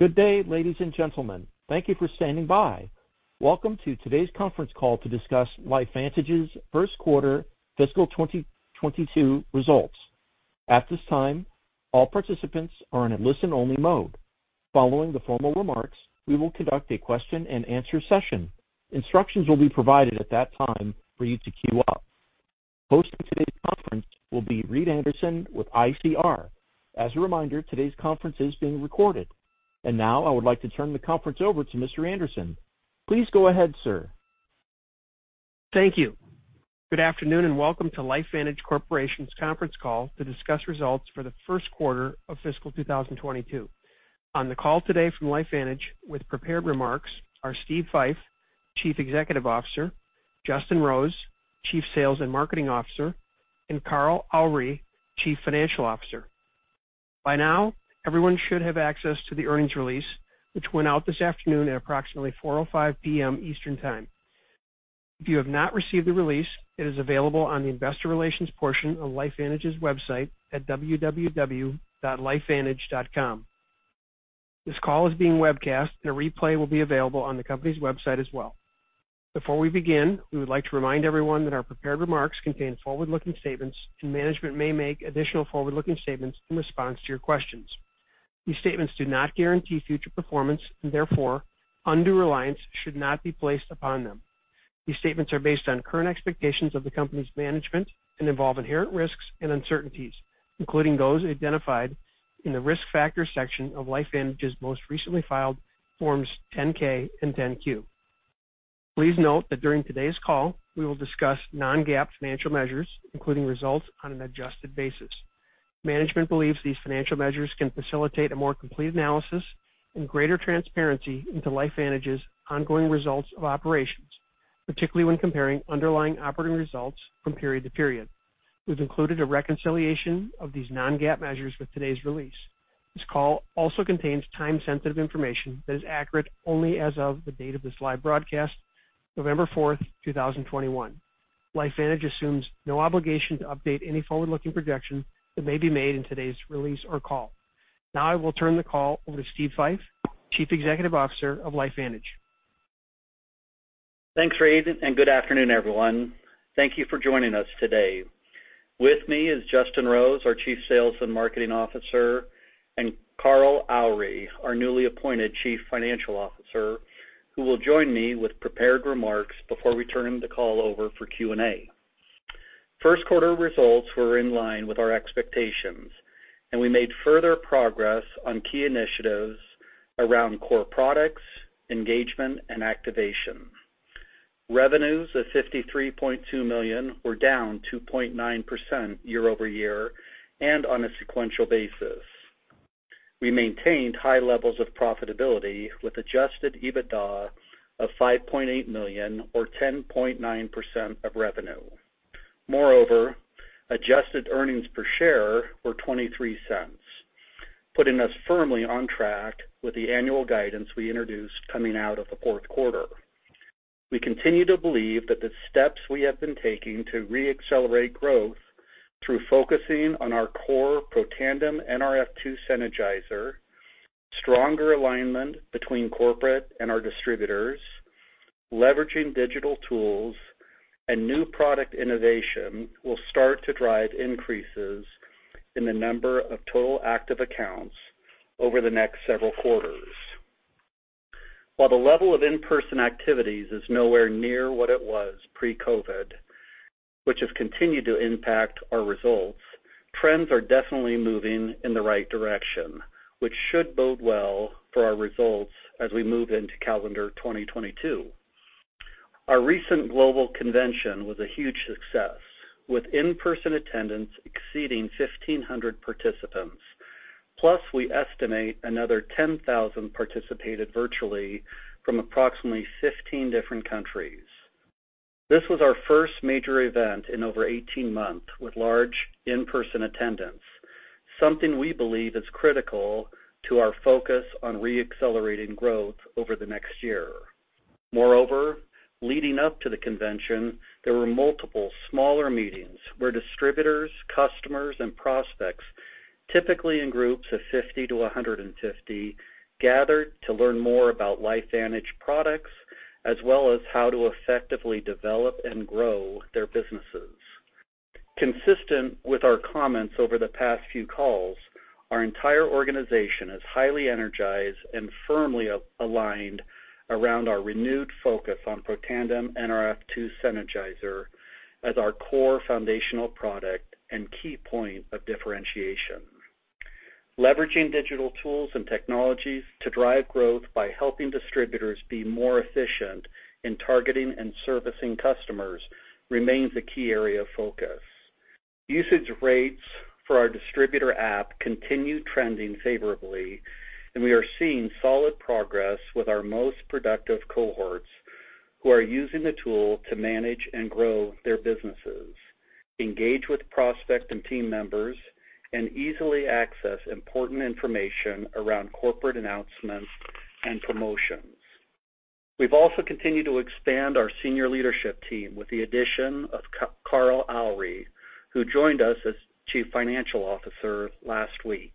Good day, ladies and gentlemen. Thank you for standing by. Welcome to today's conference call to discuss LifeVantage's first quarter fiscal 2022 results. At this time, all participants are in a listen-only mode. Following the formal remarks, we will conduct a question-and-answer session. Instructions will be provided at that time for you to queue up. Hosting today's conference will be Reed Anderson with ICR. As a reminder, today's conference is being recorded. Now I would like to turn the conference over to Mr. Anderson. Please go ahead, sir. Thank you. Good afternoon, and welcome to LifeVantage Corporation's conference call to discuss results for the first quarter of fiscal 2022. On the call today from LifeVantage with prepared remarks are Steve Fife, Chief Executive Officer, Justin Rose, Chief Sales and Marketing Officer, and Carl Aure, Chief Financial Officer. By now, everyone should have access to the earnings release, which went out this afternoon at approximately 4:05 P.M. Eastern Time. If you have not received the release, it is available on the investor relations portion of LifeVantage's website at www.lifevantage.com. This call is being webcast, and a replay will be available on the company's website as well. Before we begin, we would like to remind everyone that our prepared remarks contain forward-looking statements, and management may make additional forward-looking statements in response to your questions. These statements do not guarantee future performance, and therefore, undue reliance should not be placed upon them. These statements are based on current expectations of the company's management and involve inherent risks and uncertainties, including those identified in the Risk Factors section of LifeVantage's most recently filed Forms 10-K and 10-Q. Please note that during today's call, we will discuss non-GAAP financial measures, including results on an adjusted basis. Management believes these financial measures can facilitate a more complete analysis and greater transparency into LifeVantage's ongoing results of operations, particularly when comparing underlying operating results from period to period. We've included a reconciliation of these non-GAAP measures with today's release. This call also contains time-sensitive information that is accurate only as of the date of this live broadcast, November 4th, 2021. LifeVantage assumes no obligation to update any forward-looking projections that may be made in today's release or call. Now I will turn the call over to Steve Fife, Chief Executive Officer of LifeVantage. Thanks, Reed, and good afternoon, everyone. Thank you for joining us today. With me is Justin Rose, our Chief Sales and Marketing Officer, and Carl Aure, our newly appointed Chief Financial Officer, who will join me with prepared remarks before we turn the call over for Q&A. First quarter results were in line with our expectations, and we made further progress on key initiatives around core products, engagement, and activation. Revenues of $53.2 million were down 2.9% year-over-year and on a sequential basis. We maintained high levels of profitability with adjusted EBITDA of $5.8 million or 10.9% of revenue. Moreover, adjusted earnings per share were $0.23, putting us firmly on track with the annual guidance we introduced coming out of the fourth quarter. We continue to believe that the steps we have been taking to re-accelerate growth through focusing on our core Protandim Nrf2 Synergizer, stronger alignment between corporate and our distributors, leveraging digital tools, and new product innovation will start to drive increases in the number of total active accounts over the next several quarters. While the level of in-person activities is nowhere near what it was pre-COVID, which has continued to impact our results, trends are definitely moving in the right direction, which should bode well for our results as we move into calendar 2022. Our recent global convention was a huge success, with in-person attendance exceeding 1,500 participants, plus we estimate another 10,000 participated virtually from approximately 15 different countries. This was our first major event in over 18 months with large in-person attendance, something we believe is critical to our focus on re-accelerating growth over the next year. Moreover, leading up to the convention, there were multiple smaller meetings where distributors, customers, and prospects, typically in groups of 50 to 150, gathered to learn more about LifeVantage products as well as how to effectively develop and grow their businesses. Consistent with our comments over the past few calls, our entire organization is highly energized and firmly aligned around our renewed focus on Protandim Nrf2 Synergizer as our core foundational product and key point of differentiation. Leveraging digital tools and technologies to drive growth by helping distributors be more efficient in targeting and servicing customers remains a key area of focus. Usage rates for our distributor app continue trending favorably, and we are seeing solid progress with our most productive cohorts who are using the tool to manage and grow their businesses, engage with prospect and team members, and easily access important information around corporate announcements and promotions. We've also continued to expand our senior leadership team with the addition of Carl Aure, who joined us as Chief Financial Officer last week.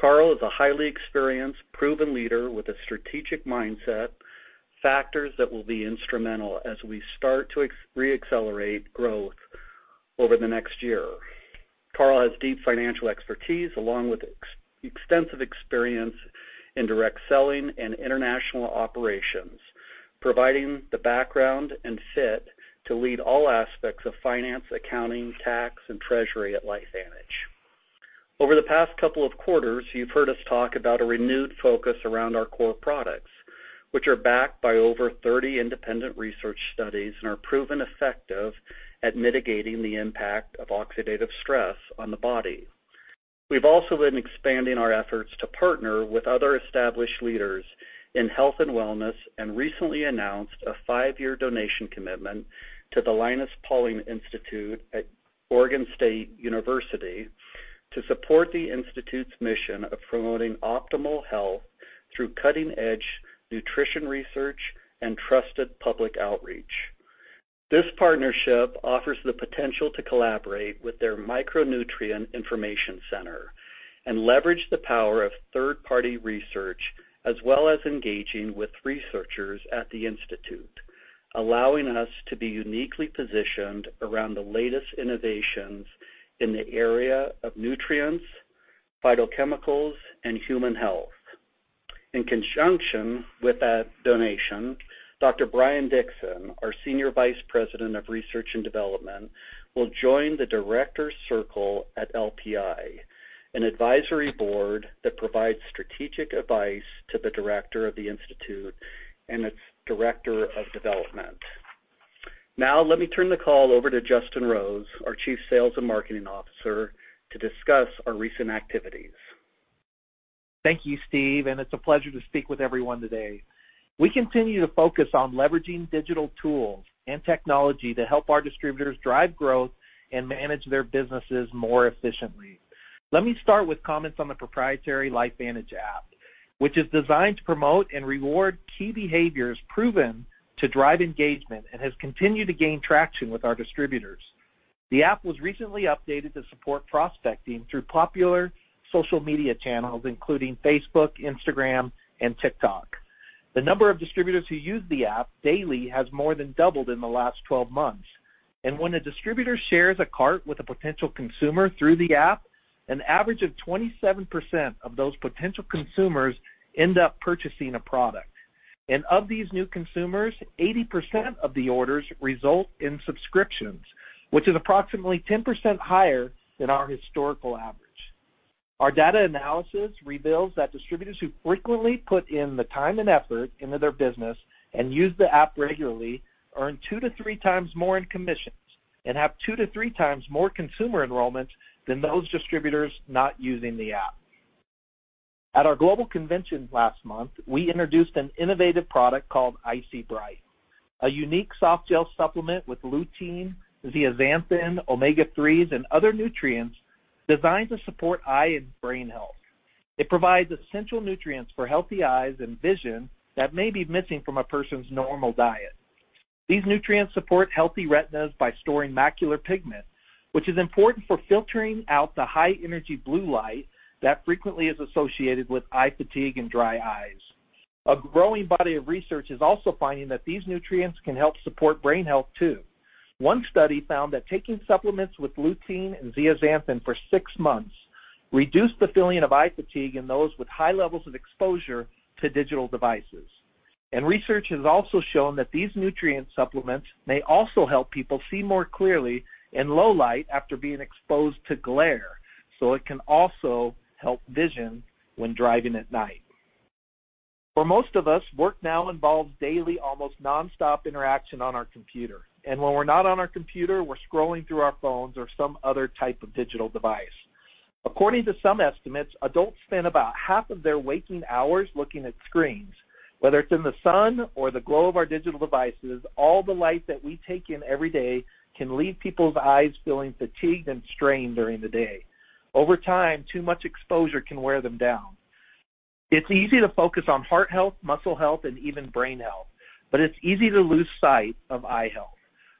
Carl is a highly experienced, proven leader with a strategic mindset, factors that will be instrumental as we start to reaccelerate growth over the next year. Carl has deep financial expertise along with extensive experience in direct selling and international operations, providing the background and fit to lead all aspects of finance, accounting, tax, and treasury at LifeVantage. Over the past couple of quarters, you've heard us talk about a renewed focus around our core products, which are backed by over 30 independent research studies and are proven effective at mitigating the impact of oxidative stress on the body. We've also been expanding our efforts to partner with other established leaders in health and wellness and recently announced a five-year donation commitment to the Linus Pauling Institute at Oregon State University to support the institute's mission of promoting optimal health through cutting-edge nutrition research and trusted public outreach. This partnership offers the potential to collaborate with their Micronutrient Information Center and leverage the power of third-party research as well as engaging with researchers at the institute, allowing us to be uniquely positioned around the latest innovations in the area of nutrients, phytochemicals, and human health. In conjunction with that donation, Dr. Brian Dixon, our Senior Vice President of Research and Development, will join the Director's Circle at LPI, an advisory board that provides strategic advice to the director of the institute and its director of development. Now, let me turn the call over to Justin Rose, our Chief Sales and Marketing Officer, to discuss our recent activities. Thank you, Steve, and it's a pleasure to speak with everyone today. We continue to focus on leveraging digital tools and technology to help our distributors drive growth and manage their businesses more efficiently. Let me start with comments on the proprietary LifeVantage app, which is designed to promote and reward key behaviors proven to drive engagement and has continued to gain traction with our distributors. The app was recently updated to support prospecting through popular social media channels, including Facebook, Instagram, and TikTok. The number of distributors who use the app daily has more than doubled in the last 12 months. When a distributor shares a cart with a potential consumer through the app, an average of 27% of those potential consumers end up purchasing a product. Of these new consumers, 80% of the orders result in subscriptions, which is approximately 10% higher than our historical average. Our data analysis reveals that distributors who frequently put in the time and effort into their business and use the app regularly earn 2x-3x more in commissions and have 2x-3x more consumer enrollments than those distributors not using the app. At our global convention last month, we introduced an innovative product called IC Bright, a unique softgel supplement with lutein, zeaxanthin, omega-3s and other nutrients designed to support eye and brain health. It provides essential nutrients for healthy eyes and vision that may be missing from a person's normal diet. These nutrients support healthy retinas by storing macular pigment, which is important for filtering out the high energy blue light that frequently is associated with eye fatigue and dry eyes. A growing body of research is also finding that these nutrients can help support brain health too. One study found that taking supplements with lutein and zeaxanthin for six months reduced the feeling of eye fatigue in those with high levels of exposure to digital devices. Research has also shown that these nutrient supplements may also help people see more clearly in low light after being exposed to glare, so it can also help vision when driving at night. For most of us, work now involves daily, almost nonstop interaction on our computer. When we're not on our computer, we're scrolling through our phones or some other type of digital device. According to some estimates, adults spend about half of their waking hours looking at screens. Whether it's in the sun or the glow of our digital devices, all the light that we take in every day can leave people's eyes feeling fatigued and strained during the day. Over time, too much exposure can wear them down. It's easy to focus on heart health, muscle health, and even brain health, but it's easy to lose sight of eye health.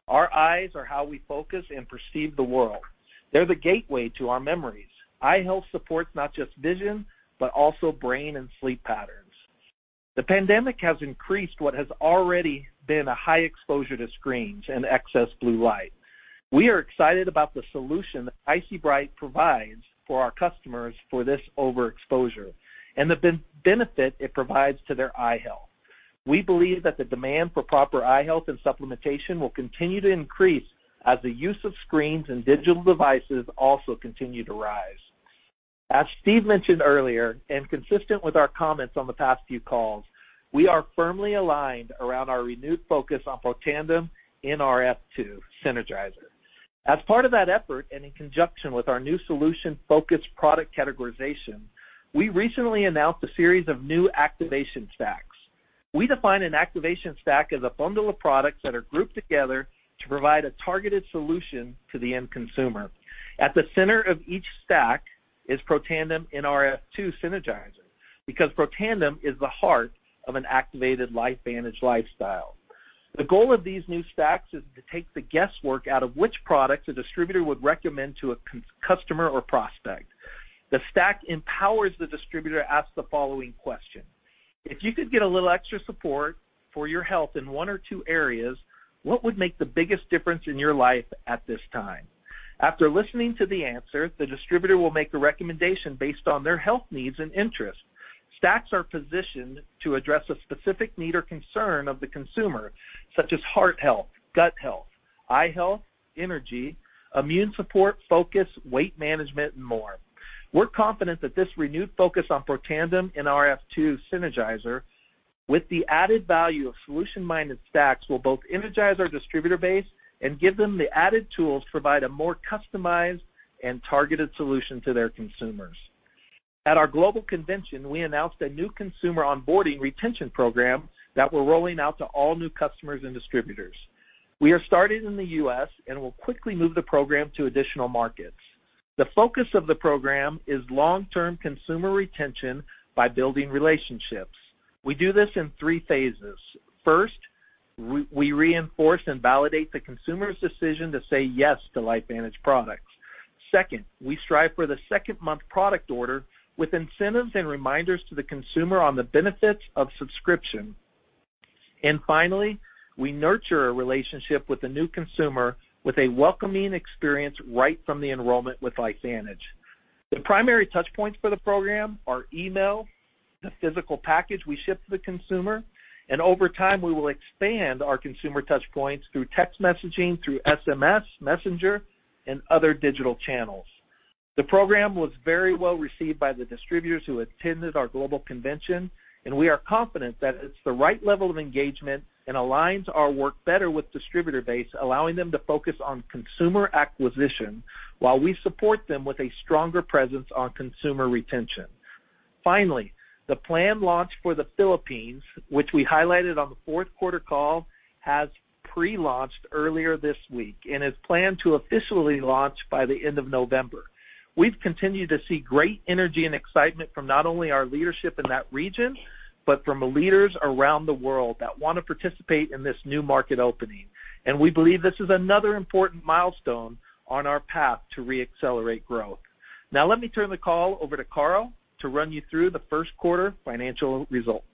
Our eyes are how we focus and perceive the world. They're the gateway to our memories. Eye health supports not just vision, but also brain and sleep patterns. The pandemic has increased what has already been a high exposure to screens and excess blue light. We are excited about the solution that IC Bright provides for our customers for this overexposure and the benefit it provides to their eye health. We believe that the demand for proper eye health and supplementation will continue to increase as the use of screens and digital devices also continue to rise. As Steve mentioned earlier, and consistent with our comments on the past few calls, we are firmly aligned around our renewed focus on Protandim Nrf2 Synergizer. As part of that effort and in conjunction with our new solution-focused product categorization, we recently announced a series of new activation stacks. We define an activation stack as a bundle of products that are grouped together to provide a targeted solution to the end consumer. At the center of each stack is Protandim Nrf2 Synergizer, because Protandim is the heart of an activated LifeVantage lifestyle. The goal of these new stacks is to take the guesswork out of which product a distributor would recommend to a customer or prospect. The stack empowers the distributor to ask the following question: If you could get a little extra support for your health in one or two areas, what would make the biggest difference in your life at this time? After listening to the answer, the distributor will make the recommendation based on their health needs and interests. Stacks are positioned to address a specific need or concern of the consumer, such as heart health, gut health, eye health, energy, immune support, focus, weight management, and more. We're confident that this renewed focus on Protandim Nrf2 Synergizer, with the added value of solution-minded stacks, will both energize our distributor base and give them the added tools to provide a more customized and targeted solution to their consumers. At our global convention, we announced a new consumer onboarding retention program that we're rolling out to all new customers and distributors. We are starting in the U.S., and we'll quickly move the program to additional markets. The focus of the program is long-term consumer retention by building relationships. We do this in three phases. First, we reinforce and validate the consumer's decision to say yes to LifeVantage products. Second, we strive for the second month product order with incentives and reminders to the consumer on the benefits of subscription. Finally, we nurture a relationship with the new consumer with a welcoming experience right from the enrollment with LifeVantage. The primary touch points for the program are email, the physical package we ship to the consumer, and over time, we will expand our consumer touch points through text messaging, through SMS, messenger, and other digital channels. The program was very well received by the distributors who attended our global convention, and we are confident that it's the right level of engagement and aligns our work better with distributor base, allowing them to focus on consumer acquisition while we support them with a stronger presence on consumer retention. Finally, the planned launch for the Philippines, which we highlighted on the fourth quarter call, has pre-launched earlier this week and is planned to officially launch by the end of November. We've continued to see great energy and excitement from not only our leadership in that region, but from leaders around the world that wanna participate in this new market opening. We believe this is another important milestone on our path to reaccelerate growth. Now let me turn the call over to Carl to run you through the first quarter financial results.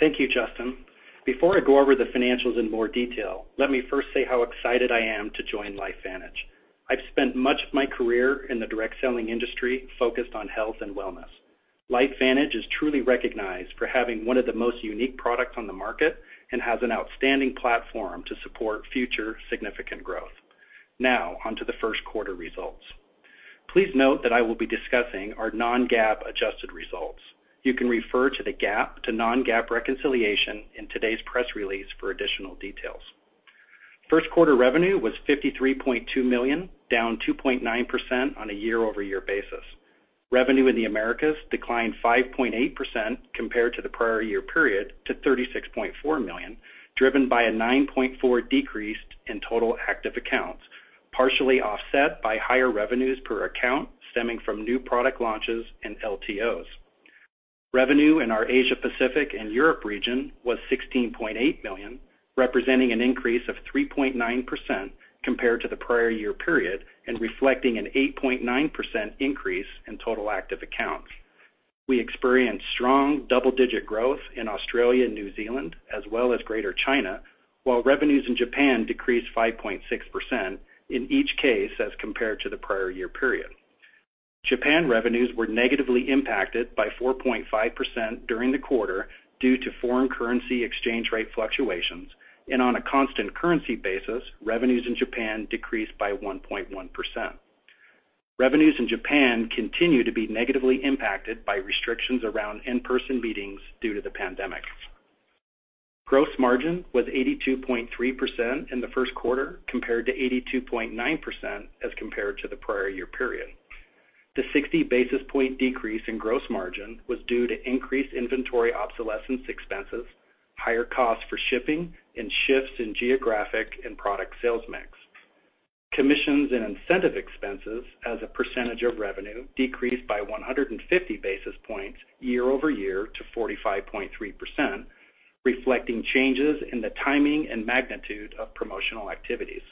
Thank you, Justin. Before I go over the financials in more detail, let me first say how excited I am to join LifeVantage. I've spent much of my career in the direct selling industry focused on health and wellness. LifeVantage is truly recognized for having one of the most unique products on the market and has an outstanding platform to support future significant growth. Now onto the first quarter results. Please note that I will be discussing our non-GAAP adjusted results. You can refer to the GAAP to non-GAAP reconciliation in today's press release for additional details. First quarter revenue was $53.2 million, down 2.9% on a year-over-year basis. Revenue in the Americas declined 5.8% compared to the prior year period to $36.4 million, driven by a 9.4% decrease in total active accounts, partially offset by higher revenues per account stemming from new product launches and LTOs. Revenue in our Asia Pacific and Europe region was $16.8 million, representing an increase of 3.9% compared to the prior year period and reflecting an 8.9% increase in total active accounts. We experienced strong double-digit growth in Australia and New Zealand as well as Greater China, while revenues in Japan decreased 5.6% in each case as compared to the prior year period. Japan revenues were negatively impacted by 4.5% during the quarter due to foreign currency exchange rate fluctuations, and on a constant currency basis, revenues in Japan decreased by 1.1%. Revenues in Japan continue to be negatively impacted by restrictions around in-person meetings due to the pandemic. Gross margin was 82.3% in the first quarter compared to 82.9% as compared to the prior year period. The 60 basis points decrease in gross margin was due to increased inventory obsolescence expenses, higher costs for shipping and shifts in geographic and product sales mix. Commissions and incentive expenses as a percentage of revenue decreased by 150 basis points year-over-year to 45.3%, reflecting changes in the timing and magnitude of promotional activities.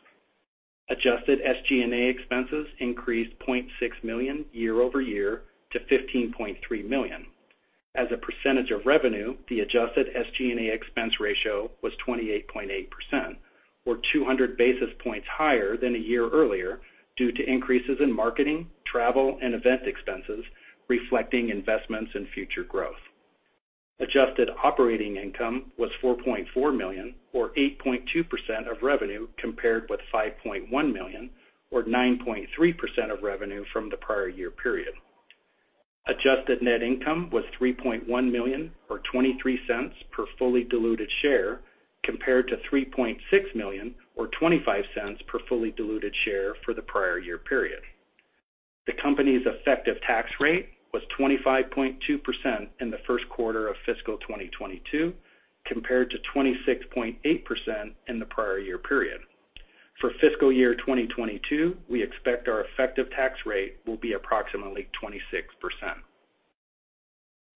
Adjusted SG&A expenses increased $0.6 million year-over-year to $15.3 million. As a percentage of revenue, the adjusted SG&A expense ratio was 28.8% or 200 basis points higher than a year earlier due to increases in marketing, travel, and event expenses reflecting investments in future growth. Adjusted operating income was $4.4 million or 8.2% of revenue compared with $5.1 million or 9.3% of revenue from the prior year period. Adjusted net income was $3.1 million or $0.23 per fully diluted share compared to $3.6 million or $0.25 per fully diluted share for the prior year period. The company's effective tax rate was 25.2% in the first quarter of fiscal 2022, compared to 26.8% in the prior year period. For fiscal year 2022, we expect our effective tax rate will be approximately 26%.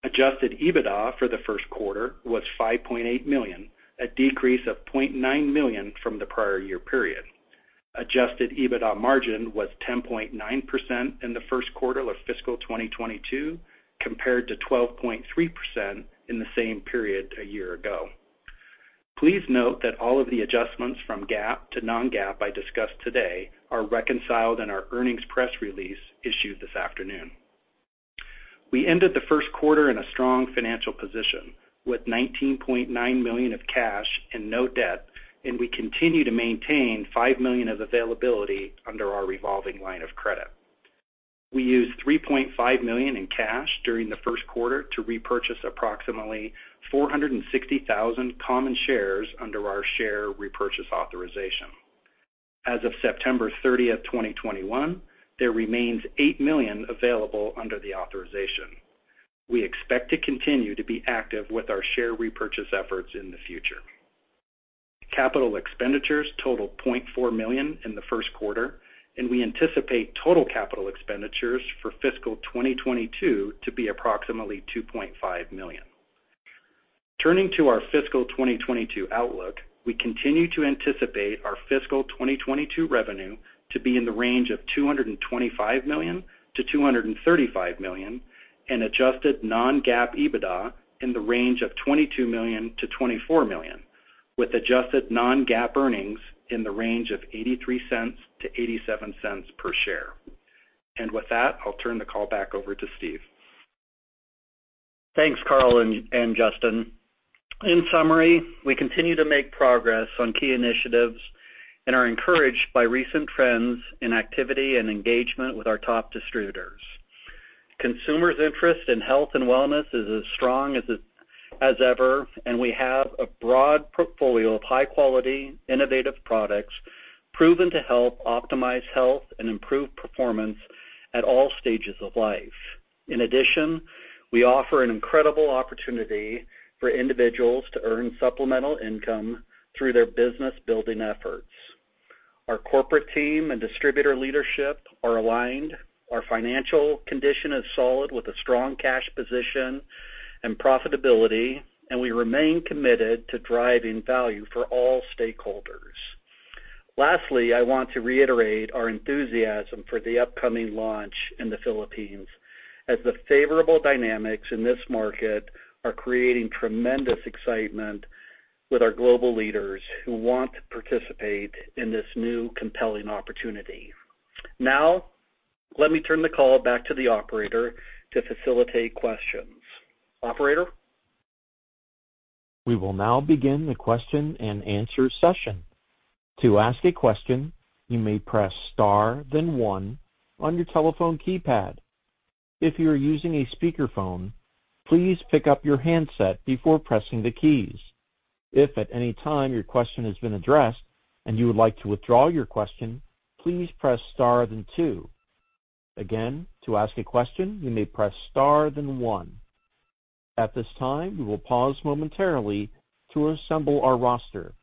Adjusted EBITDA for the first quarter was $5.8 million, a decrease of $0.9 million from the prior year period. Adjusted EBITDA margin was 10.9% in the first quarter of fiscal 2022, compared to 12.3% in the same period a year ago. Please note that all of the adjustments from GAAP to non-GAAP I discussed today are reconciled in our earnings press release issued this afternoon. We ended the first quarter in a strong financial position, with $19.9 million of cash and no debt, and we continue to maintain $5 million of availability under our revolving line of credit. We used $3.5 million in cash during the first quarter to repurchase approximately 460,000 common shares under our share repurchase authorization. As of September 30th, 2021, there remains $8 million available under the authorization. We expect to continue to be active with our share repurchase efforts in the future. Capital expenditures totaled $0.4 million in the first quarter, and we anticipate total capital expenditures for fiscal 2022 to be approximately $2.5 million. Turning to our fiscal 2022 outlook, we continue to anticipate our fiscal 2022 revenue to be in the range of $225 million-$235 million, and adjusted non-GAAP EBITDA in the range of $22 million-$24 million, with adjusted non-GAAP earnings in the range of $0.83-$0.87 per share. With that, I'll turn the call back over to Steve. Thanks, Carl and Justin. In summary, we continue to make progress on key initiatives and are encouraged by recent trends in activity and engagement with our top distributors. Consumers' interest in health and wellness is as strong as ever, and we have a broad portfolio of high quality, innovative products proven to help optimize health and improve performance at all stages of life. In addition, we offer an incredible opportunity for individuals to earn supplemental income through their business building efforts. Our corporate team and distributor leadership are aligned, our financial condition is solid with a strong cash position and profitability, and we remain committed to driving value for all stakeholders. Lastly, I want to reiterate our enthusiasm for the upcoming launch in the Philippines, as the favorable dynamics in this market are creating tremendous excitement with our global leaders who want to participate in this new, compelling opportunity. Now, let me turn the call back to the operator to facilitate questions. Operator? We will now begin the question and answer session. To ask a question, you may press star then one on your telephone keypad. If you are using a speakerphone, please pick up your handset before pressing the keys. If at any time your question has been addressed and you would like to withdraw your question, please press star then two. Again, to ask a question, you may press star then one. At this time, we will pause momentarily to assemble our roster.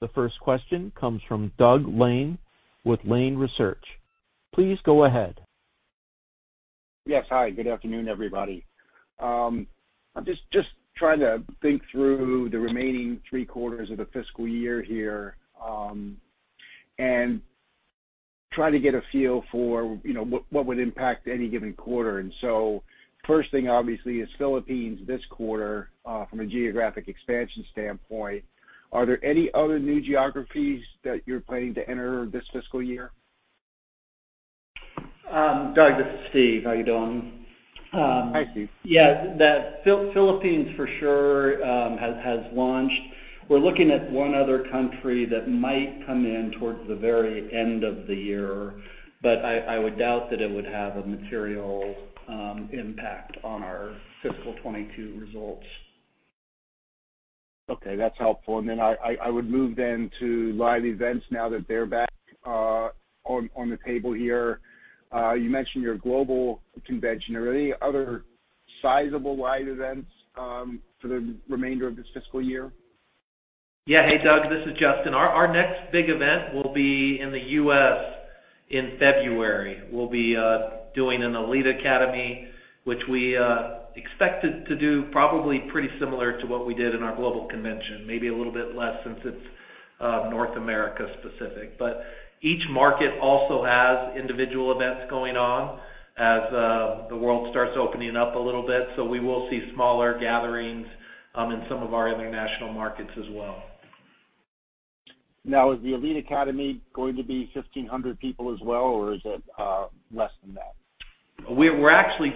The first question comes from Doug Lane with Lane Research. Please go ahead. Yes. Hi, good afternoon, everybody. I'm just trying to think through the remaining three quarters of the fiscal year here, and try to get a feel for, you know, what would impact any given quarter. First thing obviously is Philippines this quarter, from a geographic expansion standpoint. Are there any other new geographies that you're planning to enter this fiscal year? Doug, this is Steve. How are you doing? Hi, Steve. Yeah. The Philippines for sure has launched. We're looking at one other country that might come in towards the very end of the year, but I would doubt that it would have a material impact on our fiscal 2022 results. Okay, that's helpful. I would move then to live events now that they're back on the table here. You mentioned your global convention. Are there any other sizable live events for the remainder of this fiscal year? Yeah. Hey, Doug, this is Justin. Our next big event will be in the U.S. in February. We'll be doing an Elite Academy, which we expected to do probably pretty similar to what we did in our global convention, maybe a little bit less since it's North America specific. Each market also has individual events going on as the world starts opening up a little bit. We will see smaller gatherings in some of our other national markets as well. Now, is the Elite Academy going to be 1,500 people as well, or is it less than that? We're actually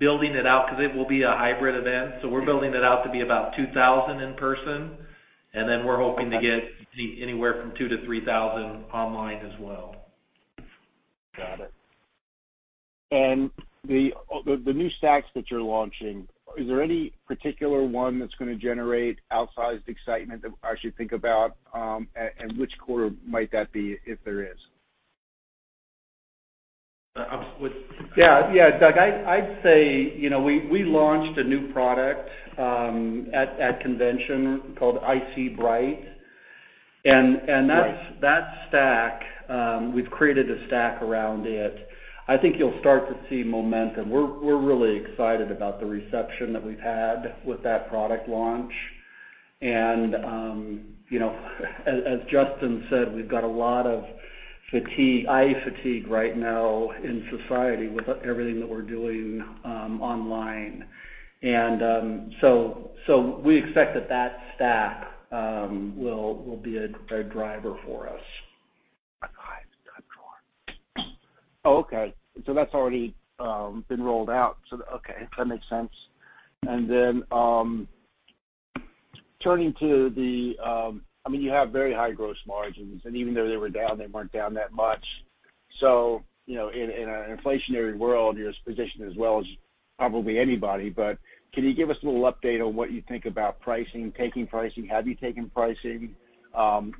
building it out because it will be a hybrid event, so we're building it out to be about 2,000 in person, and then we're hoping to get anywhere from 2,000-3,000 online as well. Got it. The new stacks that you're launching, is there any particular one that's gonna generate outsized excitement that I should think about, and which quarter might that be, if there is? I would. Yeah. Yeah, Doug, I'd say, you know, we launched a new product at convention called IC Bright. Right. That stack we've created around it. I think you'll start to see momentum. We're really excited about the reception that we've had with that product launch. You know, as Justin said, we've got a lot of fatigue, eye fatigue right now in society with everything that we're doing online. We expect that stack will be a driver for us. Oh, okay. That's already been rolled out. Okay, that makes sense. Then turning to the. I mean, you have very high gross margins, and even though they were down, they weren't down that much. You know, in an inflationary world, you're as positioned as well as probably anybody, but can you give us a little update on what you think about pricing, taking pricing? Have you taken pricing?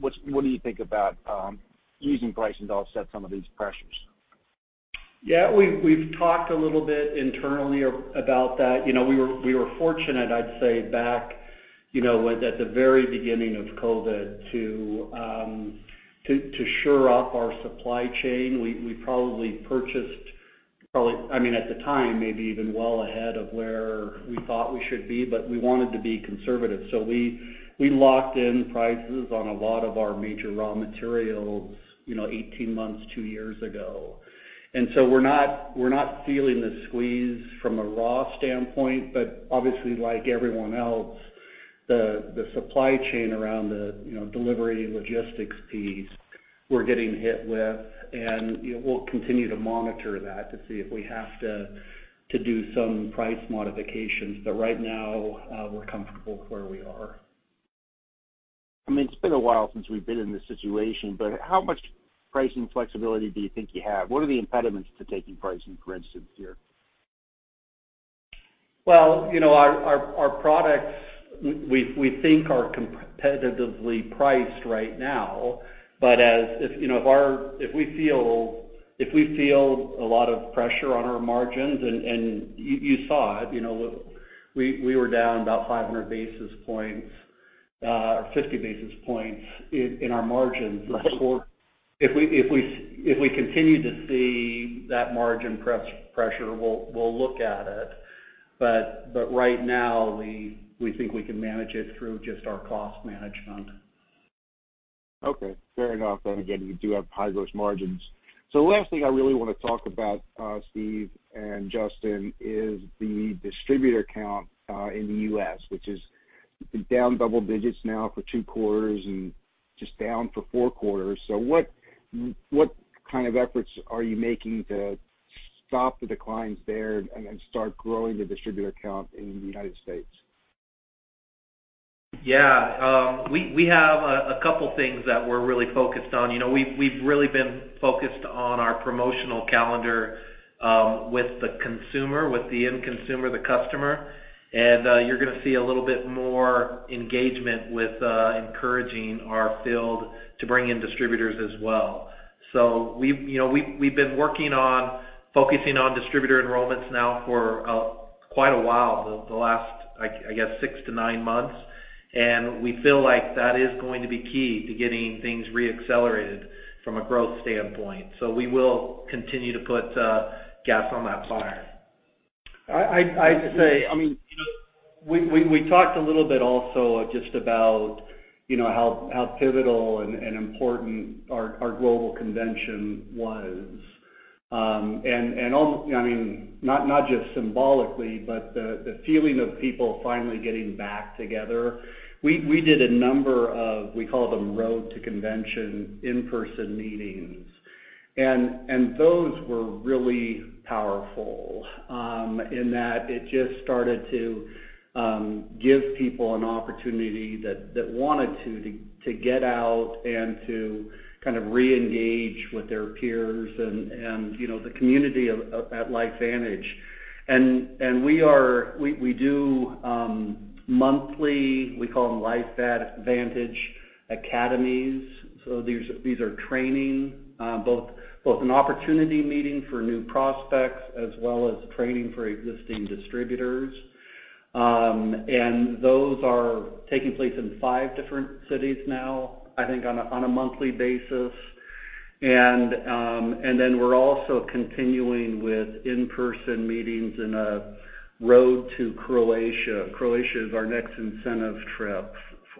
What's what do you think about using pricing to offset some of these pressures? Yeah. We've talked a little bit internally about that. You know, we were fortunate, I'd say, back, you know, at the very beginning of COVID to shore up our supply chain. We probably purchased, I mean, at the time, maybe even well ahead of where we thought we should be, but we wanted to be conservative. We locked in prices on a lot of our major raw materials, you know, 18 months, two years ago. We're not feeling the squeeze from a raw standpoint, but obviously, like everyone else, the supply chain around the delivery and logistics piece we're getting hit with. You know, we'll continue to monitor that to see if we have to do some price modifications. Right now, we're comfortable with where we are. I mean, it's been a while since we've been in this situation, but how much pricing flexibility do you think you have? What are the impediments to taking pricing, for instance, here? Well, you know, our products we think are competitively priced right now. But if, you know, if we feel a lot of pressure on our margins, and you saw it, you know, we were down about 500 basis points or 50 basis points in our margins this quarter. If we continue to see that margin pressure, we'll look at it. But right now, we think we can manage it through just our cost management. Okay. Fair enough. again, you do have high gross margins. the last thing I really wanna talk about, Steve and Justin, is the distributor count, in the U.S., which is down double digits now for two quarters and just down for four quarters. what kind of efforts are you making to stop the declines there and then start growing the distributor count in the United States? Yeah. We have a couple things that we're really focused on. You know, we've really been focused on our promotional calendar with the consumer, with the end consumer, the customer. You're gonna see a little bit more engagement with encouraging our field to bring in distributors as well. You know, we've been working on focusing on distributor enrollments now for quite a while, the last I guess six to nine months, and we feel like that is going to be key to getting things re-accelerated from a growth standpoint. We will continue to put gas on that fire. I'd say, I mean, you know, we talked a little bit also just about, you know, how pivotal and important our global convention was. I mean, not just symbolically, but the feeling of people finally getting back together. We did a number of, we call them road to convention in-person meetings. Those were really powerful, in that it just started to give people an opportunity that wanted to get out and to kind of reengage with their peers and, you know, the community at LifeVantage. We do monthly, we call them LifeVantage Academies. These are training, both an opportunity meeting for new prospects as well as training for existing distributors. Those are taking place in five different cities now, I think on a monthly basis. Then we're also continuing with in-person meetings on a road to Croatia. Croatia is our next incentive trip.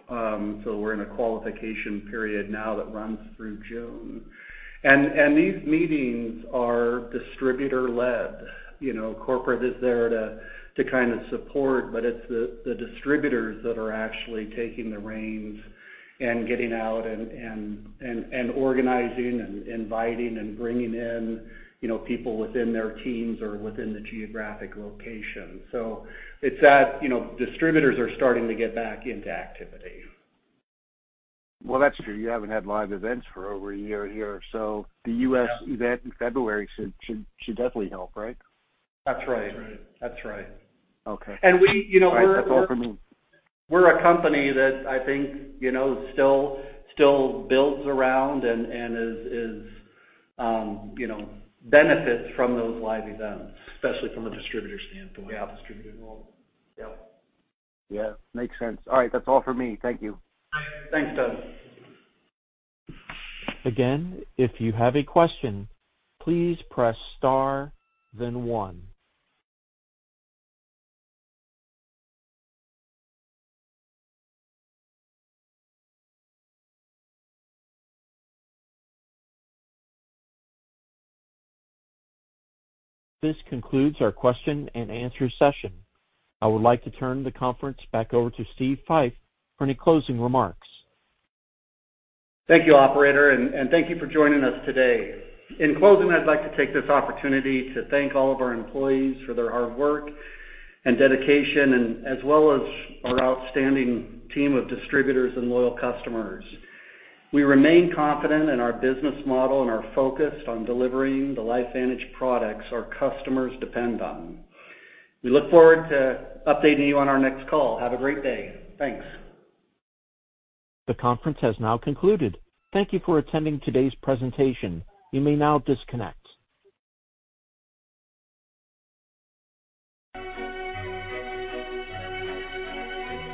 We're in a qualification period now that runs through June. These meetings are distributor-led. You know, corporate is there to kind of support, but it's the distributors that are actually taking the reins and getting out and organizing and inviting and bringing in, you know, people within their teams or within the geographic location. It's that, you know, distributors are starting to get back into activity. Well, that's true. You haven't had live events for over a year here. Yeah. U.S. event in February should definitely help, right? That's right. That's right. That's right. Okay. And we, you know, we're. All right. That's all for me. We're a company that I think, you know, still builds around and is, you know, benefits from those live events. Especially from a distributor standpoint. Yeah. Distributor involvement. Yep. Yeah. Makes sense. All right. That's all for me. Thank you. Thanks, Doug. Again, if you have a question, please press star then one. This concludes our question and answer session. I would like to turn the conference back over to Steve Fife for any closing remarks. Thank you, operator, and thank you for joining us today. In closing, I'd like to take this opportunity to thank all of our employees for their hard work and dedication, and as well as our outstanding team of distributors and loyal customers. We remain confident in our business model and are focused on delivering the LifeVantage products our customers depend on. We look forward to updating you on our next call. Have a great day. Thanks. The conference has now concluded. Thank you for attending today's presentation. You may now disconnect.